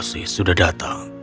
terima kasih sudah datang